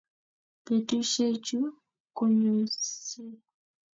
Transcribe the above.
Betusiechu konyoisei